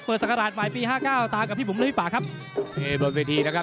ศักราชใหม่ปีห้าเก้าตามกับพี่บุ๋มเลยพี่ป่าครับนี่บนเวทีนะครับ